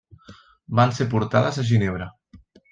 Van ser portades a Ginebra.